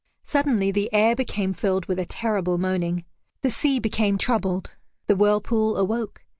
Suddenly the air became filled with a terrible moaning; the sea became troubled; the whirlpool awoke.